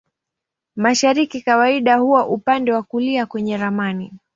Mashariki kawaida huwa upande wa kulia kwenye ramani.